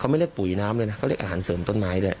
ไม่เรียกปุ๋ยน้ำเลยนะเขาเรียกอาหารเสริมต้นไม้ด้วย